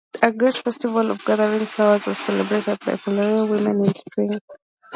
A great festival of gathering flowers was celebrated by Peloponnesian women in spring.